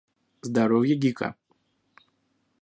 Здоровье гика